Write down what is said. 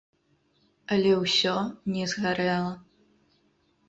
Але ўсё не згарэла.